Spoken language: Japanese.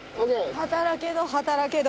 働けど働けど。